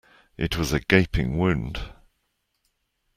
It was a gaping wound.